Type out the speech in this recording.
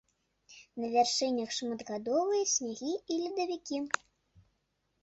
На вяршынях шматгадовыя снягі і ледавікі.